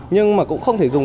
nhưng cũng không thể dùng